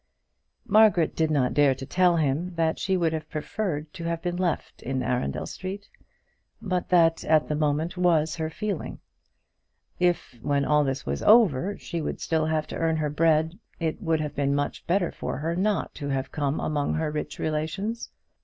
Margaret did not dare to tell him that she would have preferred to have been left in Arundel Street; but that, at the moment, was her feeling. If, when all this was over, she would still have to earn her bread, it would have been much better for her not to have come among her rich relations.